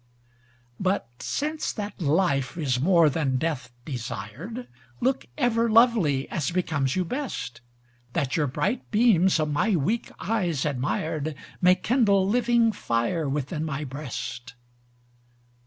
But since that life is more than death desired, Look ever lovely, as becomes you best, That your bright beams of my weak eyes admired, May kindle living fire within my breast.